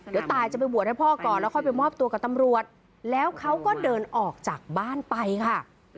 เดี๋ยวตายจะไปบวชให้พ่อก่อนแล้วค่อยไปมอบตัวกับตำรวจแล้วเขาก็เดินออกจากบ้านไปค่ะ